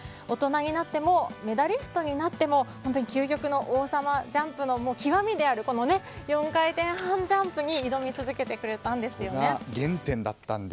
大人になってもメダリストになっても究極な王様ジャンプの極みである４回転半ジャンプに挑み続けてくれたんですよね。